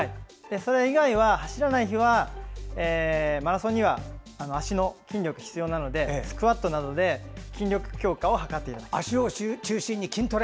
走らない日はマラソンには足の筋力が必要なのでスクワットなどで筋力強化を図っていただく。